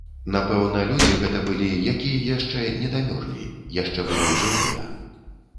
Напэўна, людзі гэта былі, якія яшчэ недамёрлі, яшчэ былі жывыя.